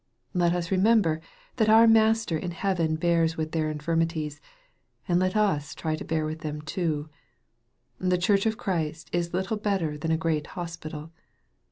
Let us remember that our Master in heaven bears with their infirmities, and let us try to bear with them too. The Church of Christ is little better than a great hospital.